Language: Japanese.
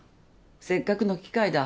せっかくの機会だ。